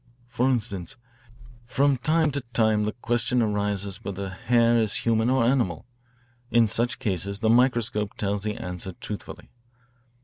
For instance, from time to time the question arises whether hair is human or animal. In such cases the microscope tells the answer truthfully.